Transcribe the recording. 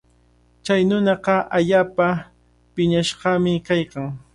Chay nunaqa allaapa piñashqami kaykan.